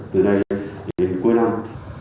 từ nay đến cuối năm